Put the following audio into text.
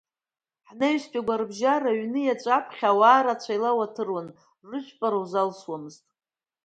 Ҳнаҩсантәи агәарабжьара, аҩны иаҵәа аԥхьа ауаа рацәа еилауаҭыруан, рыжәпара узалсуамызт.